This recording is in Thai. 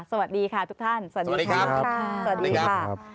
สวัสดีค่ะทุกท่านสวัสดีครับ